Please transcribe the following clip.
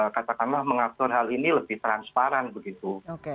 katakanlah mengatur hal ini lebih transparan begitu